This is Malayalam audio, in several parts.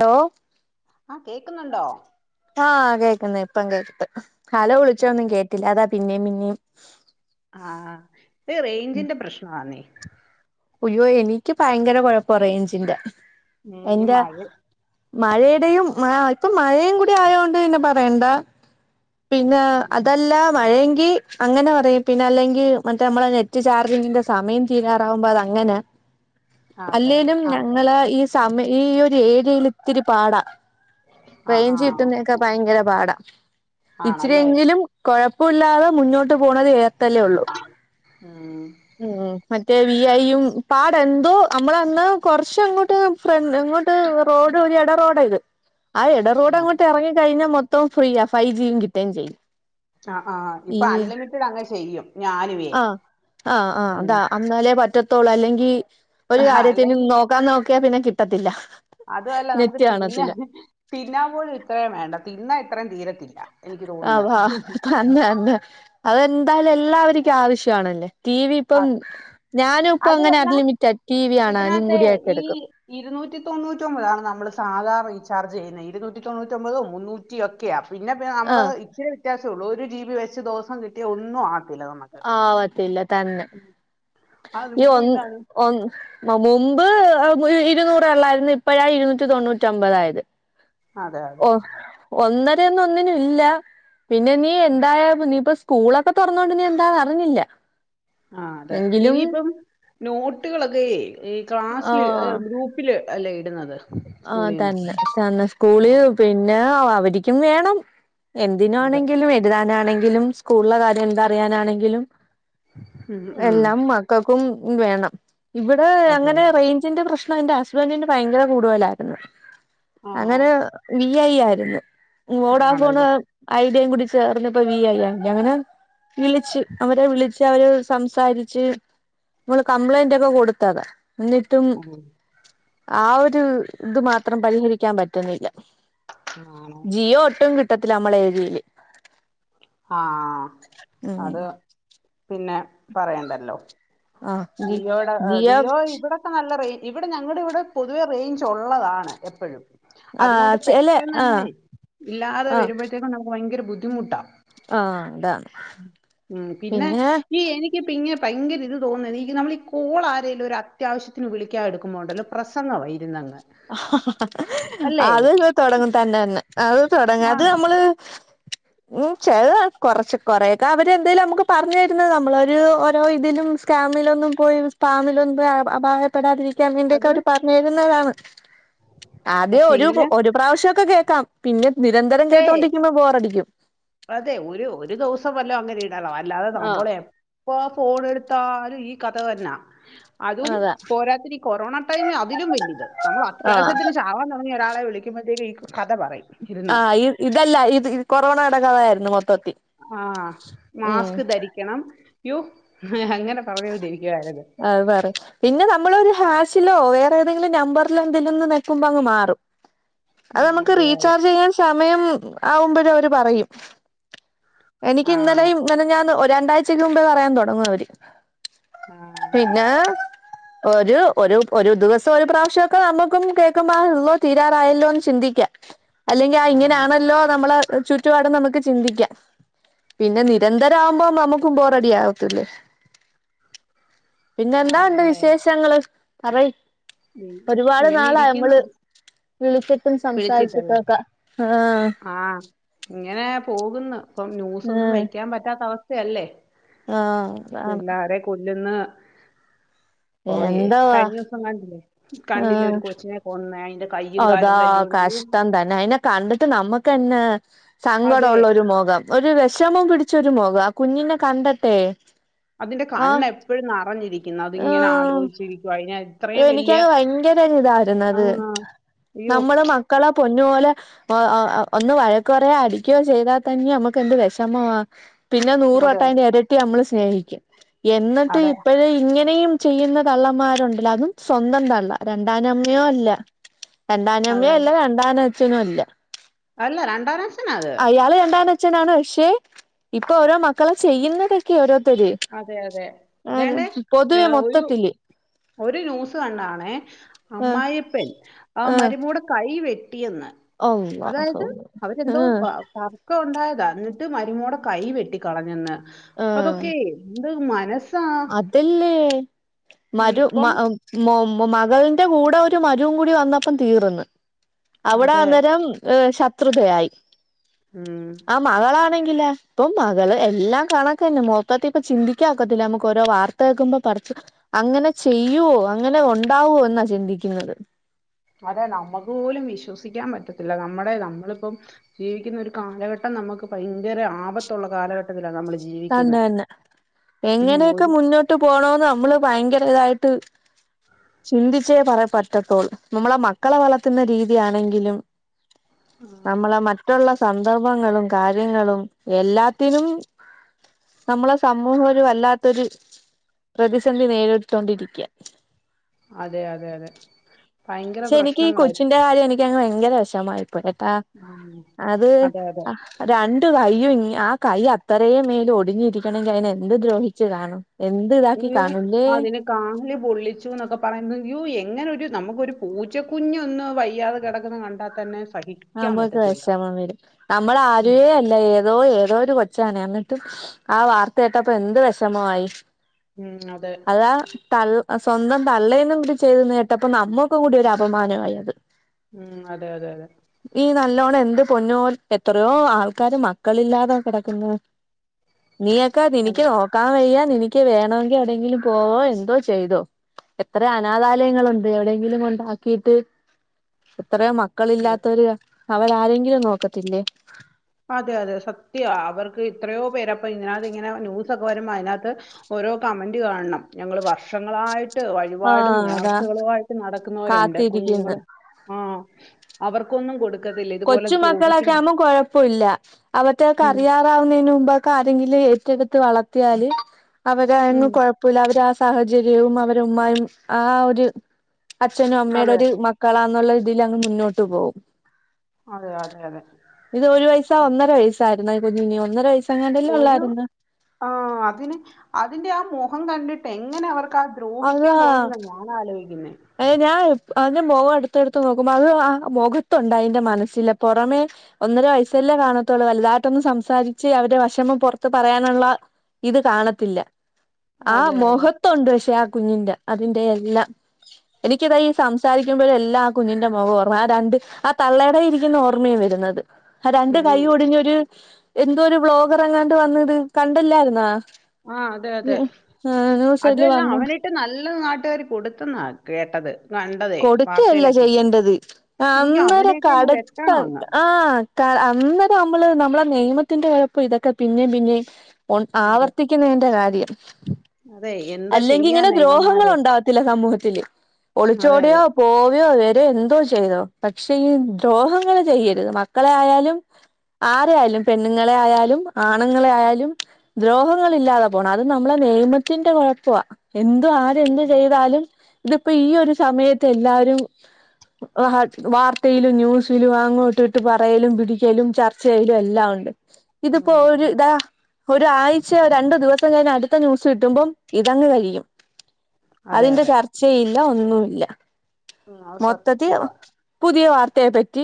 ഹലോ ആ കേക്കുന്നൊണ്ടോ പ്പം കേക്ണ്ട് ഹലോ വിളിചൊന്നും കേട്ടില്ല അത പിന്നേംപിന്നേം ആഹഇത് റേഞ്ചിന്റെ പ്രശ്ണാന്നെ അയ്യോ എനിക്ക് ഭയങ്കര കൊഴപ്പ റേഞ്ചിന്റെ ഉം ഈ എന്റെ മഴ മഴയുടെയും മാ മഴയും കൂടി ആയോണ്ട്ന്നെ ബ വേണ്ട പിന്നെ ഉം അതല്ല മഴേങ്കി ങ്കി അങ്ങനെ പറയ് പിന്നെ അല്ലെങ്കി മറ്റ് നമ്മള നെറ്റ് ചാർജിന്റെ സമയംതീരാറാകുമ്പൊ അതാ അങ്ങനാ അതെ അതെ അല്ലേലും ഞങ്ങള് ഈ സമയ ഈ ഒരു ഏരിയയിൽ ഇത്തിരി പാടാ ആഹ് റേഞ്ച് ആഹ് കിട്ടുന്നേക്കെ ഭയങ്കര പാടാ ആണല്ലേ ഇച്ചിരിയെങ്കിലും കൊഴ പ്പുല്ലാതെ മുന്നോട്ട് പോണത് ഏർടെലെ ഒള്ളു ഉം നിങ്ങളോ മ ദേ വീഅയ്യും പാടെന്തോ അമ്മളന്ന് കൊറച്ചങ്ങോട്ട് ഫ്രൺ ത്ങ്ങോട്ട് റോഡ് ഒര് എട റോഡയിത് ആ എട റോഡങ്ങോട്ട് എറങ്ങി കഴിഞ്ഞ മാെ തോം ഫ്രീയ ഫൈജി കിട്ടേ ചെയ്യും ആഹ് ആഹ് ഈ ഇപ്പൊ അൺലിമിറ്റഡ് അങ്ങ്ചെയ്യും ആഹ് ആഹ് ആഹ് അതാ എന്നന്നാലേ പറ്റ താേള് അല്ലെങ്കി ഒരു കാര്യത്തിനും നോക്കാ നോ റ്റ്യാ പിന്നെ കിട്ടത്തില്ല അതും അല്ല നെറ്റ് നമ്മക്ക് തിന്ന കാണത്തില്ല തിന്നാൻ പോലും ഇത്രേം വേണ്ട തിന്നാ ഇത്രയും തീരത്തില്ലാ ആഹ് വാ തന്നെ അന്നെ അതെന്തായാലും എല്ലാവ ര്ക്കാവശ്യവാണല്ലെ ആഹ് അങ്ങനെ അതുവല്ല അൺലിമിറ്റഡ് ടി വി കാണാനും ഇതിനകത്തെ കൂടിയായിട്ട് ഈ എടുക്കും ഇരുന്നൂറ്റി തൊണ്ണൂറ്റാെമ്പതാണ് നമ്മള് സാധാ റീച് ചാർജ് ചെയ്യ്ന്നെ ഇര്ന്നൂറ്റി തൊണ്ണൂറ്റൊമ്പതും മുന്നൂറ്റി ഒക്കെയാ പിന്നെപ്പ ഞമ്മള് ആഹ് ഇച്ചിരി വിത്യാസെ ഒള്ളൂ ഒര് ജീ ബി വെച്ച് ദോസം കിട്ട്യാ ഒന്നും ആ ആവത്തില്ല തന്നെ ഉം അതുകൊണ്ട് ഒന് പിന്നെ അത് ഒന്ത് മുമ്പ്.... ഒരു ഇരുന്നൂറേള്ളായിരുന്നു ഇപ്പഴാ ഇരുന്നൂറ്റി തൊണ്ണൂറ്റി അമ്പതായത് അതെ ഓ അതെ ഒന്ന് അന്ന് ഒന്നിനും ഇല്ല, പിന്നെ നീ എന്തായ നീപ്പ സ്കൂളൊക്കെ തൊറന്നൊണ്ട്നി എന്താന്ന് അറിഞ്ഞില്ല. ആ അതെ എങ്കിലും ഇനിയിപ്പം നോട്ടുകളൊക്കെയ് ഈ ക്ലാസ്സില് ഗ്രൂപ്പില് അല്ലേ ഇടുന്നത് ആ സ്കൂളിൽ നിന്ന് തന്നെ തന്നെ സ്കൂളി ആ പിന്നെ അ അവരിക്കും വേണം അതെ എന്തിനാണെങ്കിലും എത് രാനാണെങ്കി ലും സ്കൂൾലെ കാര്യം എന്താറിയാനാണെങ്കിലും ഉം, ഉം. എല്ലാം മക്കക്കും ഉം വേണം ഇവ്ടെ അതെ അങ്ങനെ അതെ റെയ്ഞ്ചിന്റെ പ്രശ് ന്റെ ഹസ്ബൻന്റിന് ഭയങ്കര കൂടുതലായിര്ന്ന് ആ അങ്ങനെ ഈ യ്‌യ്യായിരുന്നു വോഡാഫോൺ ആണല്ലേ അയ് യും കൂടി ചേർന്നപ്പ വിഅയ്യാം ഞങ്ങടെ വിളിച്ച് അവരെ വിളിച്ച് ര അവര് സംസാരിച്ച് മ്മള് കംപ്ലൈന്റ് ഒക്കെ കൊട്ത്തതാ ന്നിട്ടും ഉം, ആ ഒര് ഇത് ഇതു മാത്രം പരിഹരിക്കാൻ പറ്റ്ന്നില്ല ആണോ ജിയോ ഒട്ടും കി ട്ടത്തില് നമ്മളെഴുതിയില്ലേ ആ. അത് പിന്നെ പറയണ്ടല്ലോ ആ ജി ജിയോടെ ജിയോ ഇവിടൊക്കെ നല്ല റെയ് ഇവിടെ ഞങ്ങൾടെ ഇവിടെ പൊതുവെ റേഞ്ച് ഉള്ളതാണ് എപ്പഴും ആ അതുകൊണ്ട് ചെല ആ പെട്ടെന്നന്നെ ഇല്ലാതെ ആ വരുമ്പഴത്തേക്കും നമുക്ക് ഭയങ്കര ബു മുട്ട ആ താണ് ഉം, പിന്നെ പിന്നേ ഈ എനിക്കിപ്പോ ഇങ്ങനെ ഭയങ്കര ഇത് തോന്ന എനി ഇ നമ്മൾ ഈ കോൾ ആരേലും ഒരു അത്യാവശ്യത്തിന് വിളിക്കാ എടുക്കുമ്പോണ്ടല്ലോ പ്രസംഗവായിരുന്നങ്ങ് ഹ ഹ ഹ ഹ് അത് ഇത് തൊടങ്ങും തന്നെ അങ്ങ് അത് തുടങ്ങ് ആ അത് നമ്മള് ചില കൊറച്ച് കൊറെയെക്കാ അവര് എന്തേലും നമുക്ക് പറഞ്ഞു തരുന്നത് നമ്മൾ ഒരു ഓരോ ഇതിലും സ്കാമിലൊന്നും പോയി സ്പാമിലൊന്നും പോയി അപായപ്പെടാതിരി യ്ക്കാൻ വേണ്ടി അത് അവരു പറഞ്ഞു തരുന്നതാണ് ആദ്യ ഒരു ഒരു പ്രാവശ്യ ഒക്കെ കേ ക്കാം പിന്നെ നിരന്തരം അതെ കേട്ടോണ്ടിരിക്കുമ്പോ ബോറടിക്കും അതെ ഒരു ഒരു ദിവസം വല്ല അങ്ങനെ ഇടണം അ അല്ലാതെ ആഹ് നാമ്പോളെ പ്പൊ ഫോൺ എടുത്താലും ഈ കഥ തന്നാ അതും അതാ പോരാത്തിന് ഈ കൊറോണ ടൈമി അതിലും വലിയത് നമ്മൾ ആഹ് അത്യാവശ്യത്തിന് ചാകാ ൻ ഒരാളെ വിളിക്കുമ്പഴ്ത്തേക്ക കഥ പറയും ഇരുന്ന് ആഹ് ഈ ഇതല്ല ഇത് കൊറോണയുടെ കഥയായിരുന്നു മൊ ആ മാസ്ക് ധരിക്കണം യോ ഹേ അങ്ങനെ പറഞ്ഞോണ്ടിരിക്കും അത് പറ പിന്നെ നമ്മള്ളൊരു ഹാ ചിലോ വേറെ ഏതെങ്കിലും നമ്പറിലെന്തിലന്ന് നെക്കുമ്പങ്ങ് മാറും അത് ഉം, നമുക്ക് അതെ റീചാർജ് ചെയ്യാൻ സാ മയം ആവുമ്പഴും അവര് പറയും എനിക്ക് ആ ഇന്നലെയും മിനിഞ്ഞാന്ന് ഒറ്റ് രണ്ടാഴ്ചക്ക് മുമ്പേ പറയാൻ തൊടങ്ങും അവര് ആ പിന്നെ ഒരു ഒരു ഒരു ദിവസം ഒരു പ്രാവശ്യമൊക്കെ നമുക്കും കേൾക്കുമ്പല്ലോ ള്ളോ തീരാറായല്ലോന്ന് ചിന്തിക്കാം അല്ലെങ്കി ആ ഇങ്ങനെയാണല്ലോ നമ്മള് ചുറ്റുപാടും നമുക്ക് ചിന്തിക്കാം പിന്നെ നിരന്തര ആകുമ്പോ നമുക്കും ബോറെഡി ആവത്തില്ലേ? പിന്നെ എന്താ ഉണ്ട് ആണല്ലേ വിശേഷങ്ങള്? അറയ് ഉം, ഒരുപാട് ഇങ്ങനെ നാളായി ഇരിക്കുന്നു നമ്മള് വിളിച്ചിട്ടും സംസാരിച്ചിട്ടും വിളിച്ചിട്ടല്ലേ ഒക്കെ ആഹ് ആ ഇങ്ങനെ പോകുന്ന ഇപ്പം ന്യൂസ്‌ ഒന്നും വയ്ക്കാൻ പറ്റാത്ത അവസ് ക്കെ അല്ലേ? ആഹ ആണ് ഓയേ കഴിഞ്ഞ ദിവസം കണ്ടില്ലേ കണ്ടില്ലേ ആഹ് ഒരു കൊച്ചിനെ പോ [unintelligible] അതാ കഷ്ടം തന്നെ അയിനെ കണ്ടട്ട് നമ്മക്കന്നെ സങ്കടം അതെ ഉള്ള ഒരു മൊഖം ഒരു വെഷമം പിടിച്ചൊരു മോഖ ആ കുഞ്ഞിനെ കണ്ട്ട്ടെ അതിന്റെ കണ്ണ് എപ്പഴും നെറഞ്ഞിരിക ആ ഇത്രയും വലിയ എനിക്കങ്ങ് ഭയ്ങ്കര ആ ഇതായിരുന്നത് അയ്യോ നമ്മള് മക്കളെ പൊന്നുപോലെ ഒന്ന് വഴക്കുപറയോ അടിക്യോ ചെയ്താ തന്നെ നമുക്ക് എന്ത് വിഷമവാ പിന്നെ അതെ നൂറുവട്ടതിന്റെ ഇരട്ടി നമ്മള് സ്നേഹിക്കും. എന്നിട്ട് അതെ ഇപ്പഴെ ഇങ്ങ അങ്ങനെയും ചെയ്യുന്ന തള്ളമാരുണ്ടല്ല അതും സ്വന്തം തള്ള രണ്ടാനമ്മയോ അല്ല. അത് രണ്ടാനമ്മയും അല്ല രണ്ടാന ച്ചനു അല്ല അല്ല രണ്ടാനഛനാ അത് ഛനാണ് പക്ഷെ ഇപ്പൊ ഓരോ മക്കളും ചെയ്യുന്നതൊക്കെ ഓരോ അതെ അതെ ദേണ്ടെ പൊതുവെ ഒരു മൊത്തത്തില് ഒരു ന്യൂസ് കണ്ടാണേ ആ അമ്മായിപ്പൻ ആ മരുമോടെ കൈ [unintelligible] [unintelligible] അല്ലാഹ് അതായത് അവരെന്തോ ആഹ് തർക്കം ഉണ്ടായതാ ഇട്ട് മരുമോടെ കൈ വെട്ടി കളഞ്ഞെന്ന് ആഹ് എന്ത് മനസ് അതല്ലേ മരു മ ഇപ്പം മൊ മകൾന്റെ കൂടെ ഒരു മരൂ കൂടി വന്നപ്പം തീർന്ന് അവിടെ അതെ അന്നേരം ശ ത്രുതയായി ഉം ആ മകളാണെ ങ്കിലാ ഇപ്പൊ മകള് എല്ലാം കാണക്കന്നെ മൊത്തത്തി ഇപ്പം ചിന്തിക്കാനൊക്കത്തില്ല നമുക്ക് ക്കോരോ വാർത്ത കേൾക്കുമ്പോ പറച്ചു അങ്ങനെ ചെയ്യുവോ അങ്ങനെ ഉണ്ടാവുവോ എന്നാ ചിന്തിക്കുന്നത് അതെ നമുക്ക് പോലും വിശ്വസിക്കാൻ പറ്റത്തില്ല നമ്മുടെ നമ്മളിപ്പം ജീവിക്കുന്ന ഒരു കാലഘട്ടം നമുക്ക് ഭയങ്കര ആപത്തുള്ള കാലഘട്ട തന്നെ തന്നെ ഉം എങ്ങനെയൊക്കെ ഒരു മുന്നോട്ട് പോണൊന്ന് നമ്മള് ഭയങ്കര തായിട്ട് ചിന്തിച്ചേ പറ പറ്റത്തോള്ളു നമ്മളെ മക്കളെ വളർത്തുന്ന രീതിയാണെങ്കിലും നമ്മളെ മറ്റുള്ള സന്ദർഭങ്ങളും കാര്യങ്ങളും എല്ലാത്തിനും നമ്മളെ സമൂഹ ഒരു വല്ലാത്തൊരു പ്രതിസന്ധി നേരിട്ടൊണ്ടിരിക്ക അതെ അതെ അതെ ഭയങ്കര പക്ഷെ എനിക്കീ പ്രശ്നങ്ങളായി കൊച്ചിന്റെ കാര്യം എനിക്ക ഭയങ്കര വിഷമായിത് ട്ടാ ഉം അത് അതെ അതെ രണ്ടു കൈ അയ്യൊ ആ കൈ അത്രയും മേല ഒടിഞ്ഞിരിക്കണമെങ്കിൽ അതിനെ എന്ത് ദ്രോഹിച്ചു കാണും എന്ത് ഇതാക്കി കാണൂല്ലേ അതിനെ കാല് പൊള്ളിച്ചുന്നൊക്കെ പറയുന്നു എങ്ങനെ രു നമുക്കൊരു പൂച്ചക്കുഞ്ഞൊന്ന് വയ്യാതെ കെടക്കുന്ന കണ്ടാത്തന്നെ നമ്മക്ക് വെഷമം വരും നമ്മള് ആരുവെ അല്ല ഏതോ ഏതോ ഒരു കൊ- ച്ചാണെ എന്നിട്ട് ആ വാർത്ത കേട്ടപ്പ എന്ത് വെഷമായി ഉം അതെ അതാ തള്ള സ്വന്തം തള്ളേം കൂടി ചെയ്തെന്നു കേട്ടപ്പ നമ്മക്കും കൂടി ഒരു അപമാനമായി അത് ഉം അതെ അതെ അതെ. ഈ നല്ലോണം എന്ത് പൊന്നോല് എത്രയോ ആൾക്കാര് മക്കളില്ലാതെ കെടക്ക്ന്ന് നീയൊക്കെ [unintelligible] നോക്കാൻ വെയ്യ എനിക്ക് വേണമെങ്കിൽ എവിടെങ്കിലും പോവോ എന്തോ ചെയ്തോ എത്ര അനാഥാലയങ്ങളുണ്ട് എവിടെയെങ്കിലും കൊണ്ടാക്കിട്ട് എത്രയോ മക്കളില്ലാ അവരാരെങ്കിലും നോക്കത്തില്ലേ അതെ അതെ സത്ത്യാ അവർക്ക് എത്രയോ പേരെ അപ്പൊ ഇതിനകത്ത് ഇങ്ങനെ ന്യൂസൊക്കെ വരുമ്പോ അതിനകത്ത് ഓരോ കമന്റ് കാണണം ഞങ്ങള് വർഷങ്ങളായി ട്ട് വഴിപാടും ആഹ് അതാ നേർച്ചകളുവായിട്ട് നടക്കുന്നവരുണ്ട് കാത്തിരിക്കുന്നു കുഞ്ഞുങ്ങള് ആ അവർക്കൊന്നും കൊടു കൊച്ചു മക്കളക്കേ ആകുമ്പോ കൊഴ പ്പുല്ല അവറ്റക്ക് ഉം അറിയാറാവുന്നതിന് മുമ്പൊക്കെ ആരങ്കില് ഏറ്റെടുത്ത് വളർത്തിയാല് അവര് ഉം അഅങ്ങ് കൊഴപ്പല്ല അവര് ആ സാഹചര്യവും അവരുമ്മായും ആ ഒരു അച്ഛനും അമ്മയുടെ അതെ ഒരു മക്കളാ നുള്ള തിൽ അങ്ങ് മുന്നോട്ട് പോവും അതെ അതെ അതെ ഇത് ഒരു വയസാ ഒന്നര വയസ് ആയിരുന്നോ ഈ കുഞ്ഞിന് ഒന്നര വയസ് ഒരു ആ അതിന് അതിന്റെ ആ മുഖം കണ്ടിട്ട് എങ്ങനെ അവർ ക്കാ ദ്രോഹിക്കാൻ അതാ തോന്നിന്നാ ഞാൻ ആലോചിക്കുന്നെ ഏ ഞാൻ അതിന് മുഖം അടുത്ത് എടുത്ത് നോക്കുമ്പോ അതിന്റെ മുഖത്തുണ്ട് അതിന്റെ മനസ്സില് പുറമേ ഒന്നര വയസ്സല്ലേ കാണത്തുള്ളൂ വലുതായിട്ടൊന്നും സംസാരിച്ച് അവന്റെ വെഷമം പുറത്ത് പറയാനുള്ള ഇത് കാണത്തില്ല. ആ അതെ അതെ മൊഖത്തുണ്ട് പക്ഷെ ആ കുഞ്ഞിന്റെ അതിന്റെ എല്ലാ എനിക്കിതാ ഈ സംസാരിക്കുമ്പോഴല്ലാം ആ കുഞ്ഞിന്റെ മുഖം ഓർമ്മ ആ രണ്ട് ആ തള്ളയിടയിരിക്കുന്നതാ ഓർമ്മയി വരുന്നത്. ഹാ രണ്ട് ഉം കൈ ഒടിഞ്ഞരു എന്തോ ഒരു ബ്ലോഗർ അങ്ങാണ്ട് വന്നത് കണ്ടല്ലായിരുന്നോ? ആ അതെ അതെ ന്യൂസെല് അതെല്ലാം വന്നു അവനിട്ട് ന ല്ല നാട്ടുകാർ കൊടുത്തന്ന കേട്ടത്. കണ്ടതേ കൊടുക്കയല്ല വാർത്തയിലൊക്കെ ചെയ്യേണ്ടത് എനിക്ക് അന്നേരം അവനെയൊക്കെ അങ്ങ് കടത്ത വെട്ടണം അങ്ങ് ആ ത്ത അന്നേരം നമ്മള് നമ്മുടെ നിയമത്തിന്റെ കൊഴപ്പം ഇതൊക്കെ പിന്നെയും പിന്നെയും ഉ അതെ ആവർത്തിക്കുന്നതിന്റെ കാര്യം അതെ എന്താ അല്ലെങ്കിൽ ഇങ്ങനെ ചെയ്യാനാ ദ്രോഹങ്ങൾ ഇവന്മാര് ഉണ്ടാവത്തില്ല സമൂഹത്തില് ഒള് അതെ ചോടെയോ അതെ പോവയോ വരെയോ എന്തോ ചെയ്തോ പക്ഷെ ഈ ദ്രോഹങ്ങള് ചെയ്യരുത് മക്കളെ ആയാലും ആരെ ആയാലും പെണ്ണുങ്ങളെ ആയാലും ആണുങ്ങളെ ആയാലും ദ്രോഹങ്ങള് ഇല്ലാതെ പോണം അത് നമ്മളെ നിയമത്തിന്റെ കൊഴപ്പവാ എന്ത്‌ ആര് എന്ത് ചെയ്താലും. ഇതിപ്പോ ഈ ഒരു സമയത്ത് എല്ലാരും വാർത്തയിലും ന്യൂസിലും അങ്ങോട്ട് ഇട്ട് പറയലും പിടിക്കലും ചർച്ചചെയ്യലും എല്ലാം ഉണ്ട് ഇതിപ്പോ ഉം ഒരു ധാ ഒരാഴ്ച രണ്ടു ദിവസം കഴിഞ്ഞാ അടുത്ത ന്യൂസ് കിട്ടുമ്പം ഇതങ്ങ് കഴിയും. അതെ അതിന്റെ അതെ ചർച്ചയില്ല ഒന്നും ഇല്ല ഉം അത് മൊത്തത്തി സത്യവാ പുതിയ വർ ത്തെ പറ്റി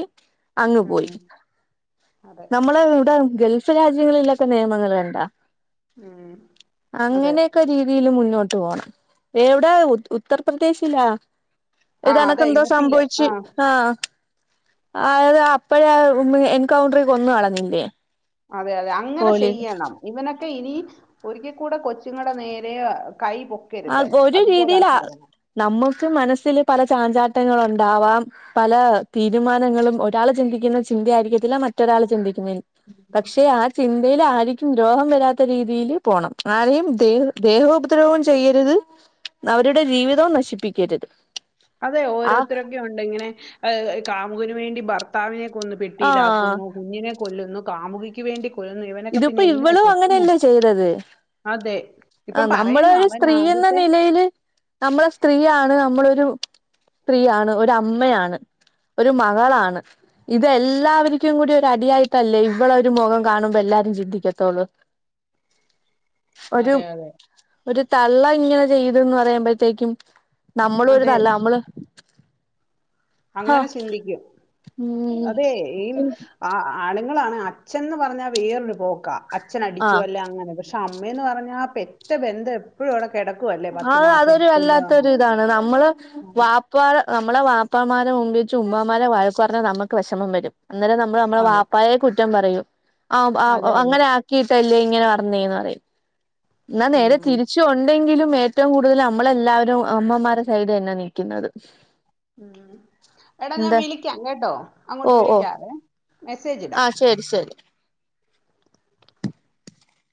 അങ്ങ് പോയി ഉം അതെ നമ്മളെ ഇവിടെ ഗൾഫ് രാജ്യങ്ങളിലൊക്കെ നിയമങ്ങള് കണ്ടാ ഉം അതെ അങ്ങനെയൊക്കെ രീതിയിലും ഉൺ ഇങ്ങോട്ട് പോണം എവിടാ ഉത് ഉത്തർപ്രദേശിലാ ആ ഇതനക്ക് അതെ എന്തോ യു പിയില് സംഭവിച്ചു ആ ആഹ് അത് അപ്പഴേ എൻകൗണ്ടറി കൊന്നു കളഞ്ഞില്ലേ അതെ അതെ അങ്ങനെ പോലീ ചെയ്യണം ഇവനൊക്കെ ഇനി ഒരിക്കൽ കൂടെ കൊച്ചുങ്ങളുടെ നേരെ ആഹ് കൈ ആ പൊക്കരുത് ഒരു രീതിയിലാ അതുപോലാക്കിഡണം നമ്മുക്ക് മനസ്സില് പല ചാഞ്ചാട്ടങ്ങളൊണ്ടാവാം പല തീരുമാനങ്ങളും ഒരാള് ചിന്തിക്കുന്ന ചിന്ത ആയിരിക്കത്തില്ല മറ്റൊരാൾ ചിന്തിക്ക [unintelligible] പക്ഷെ ആ ചിന്തയിൽ ആരി രു ദ്രോഹം വരാത്ത രീതിയില് പോണം ആരെയും ദേഹ് ദേഹോപദ്രവം ചെ ചെയ്യരുത് അവരുടെ ജീവിതവും നശിപ്പിക്കരുത് അതെ ആ ഓരോരുത്തരൊക്കെ യൊണ്ട് ഇങ്ങനെ ആഹ് കാ മുവിന് വേണ്ടി ഭർത്താവിനെ കൊന്ന് ആഹ് പെട്ടിയിലാക്കുന്നു കുഞ്ഞിനെ കൊല്ലുന്നു കാമുകിക്ക് വേണ്ടി കൊല്ലുന്നു ഇവനൊക്കെ ഇതിപ്പോ പിന്നെ എന്തിനാ ഇവളും കെട്ടുന്നത് അങ്ങനെല്ലേ ചെയ്തത് അതെ ആ ഇപ്പം നമ്മള് പറയുന്നു ഒരു അവൻ സ്ത്രീ എന്ന ആദ്യം നിലയില് നമ്മള് സ്ത്രീയാണ് നമ്മളൊ രു സ്ത്രീയാണ് ഒരു അമ്മയാണ് ഒരു മകളാണ് ഇതെല്ലാവരിക്കും കൂടി ഒരു അടിയായിട്ടല്ലേ ഇവളെ ഒരു മൊഖം കാണു എല്ലാരും ചിന്തിക്കത്തൊള്ളൂ ഒരു അതെ അതെ ഒരു തള്ള ഇങ്ങനെ ചെയ്തന്ന് പറയുമ്പഴത്തേക്കും നമ്മൾളൊരു അതെ തള്ള നമ്മള് ഹ അങ്ങനെ ചിന്തിക്കും ഉം അതെ ആണങ്കി നിങ്ങളാണ് അഛൻന്ന് പറഞ്ഞാൽ വേറൊരു പോക്ക അഛനടിച്ചു ആഹ് അല്ലേ അങ്ങനെ പക്ഷെ അമ്മേന്ന് പറഞ്ഞ ആ പെറ്റ ബന്ധം എപ്പോഴും ഇവിടെ അ അതൊരു വല്ലാത്ത ഒരു ഇതാണ് നമ്മള് വാപ്പാടെ നമ്മളെ വാ പ്പമാ മുമ്പി വെച്ച് ഉമ്മമാരെ വഴ പറഞ്ഞ നമുക്ക് വിഷമം വരും അന്നേരം നമ്മൾ നമ്മള ആ, അതെ വാപ്പായെ കുറ്റം പറയൂ ആ - അതെ അതെ അങ്ങനെ ആക്കിയിട്ടല്ലേ ഇങ്ങനെ പറഞ്ഞേന്ന് പറ എന്നാ നേരെ ഉം. തിരിച്ചു ഉണ്ടെങ്കിലും ഏറ്റവും കൂടുതൽ നമ്മളെല്ലാവരും അമ്മമാരുടെ സൈഡ് തന്നെ നിൽക്കുന്നത് ഉ എടാ ഞാൻ വിളിക്കാം കേട്ടോ ഓ അങ്ങോട്ട് ഓ വിളിക്കാവേ മെസ്സേജ് ഇടാം ആഹ് ശരി ശരി